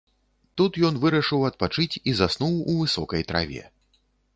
Тут ён вырашыў адпачыць і заснуў у высокай траве.